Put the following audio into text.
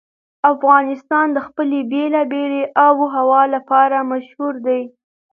افغانستان د خپلې بېلابېلې آب وهوا لپاره مشهور دی.